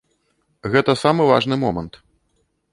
Гэта самы важны момант.